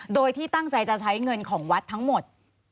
โดยที่ตั้งใจจะใช้เงินของวัดทั้งหมด